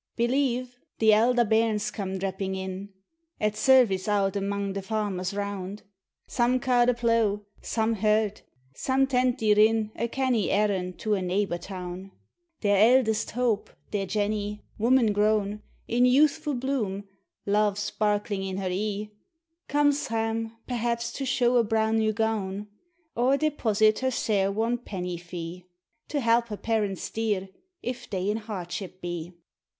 Belyve * the elder bairns come drapping in, At service out aiming the farmers roun' ; Some ca' the pleugh, some herd, some tentie f rin A cannie errand to a neibor town; Their eldest hope, their Jenny, woman grown, In youthfu' bloom, love sparkling in her e'e, Comes hame, perhaps, to shew a bra' new gown. Or deposit her Hair won penny fee. To help her parents dear, if they in hardship be.